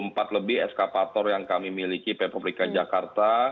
setiap saat lima puluh empat lebih eskapator yang kami miliki pembangunan publikan jakarta